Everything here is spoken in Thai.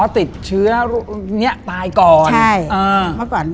อ๋อติดเชื้อนี้ตายก่อน